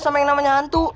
sama yang namanya hantu